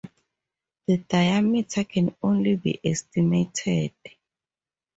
The diameter can only be estimated.